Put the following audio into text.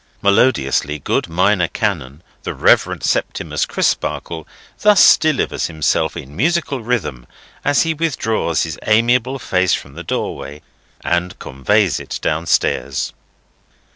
'" Melodiously good Minor Canon the Reverend Septimus Crisparkle thus delivers himself, in musical rhythm, as he withdraws his amiable face from the doorway and conveys it down stairs.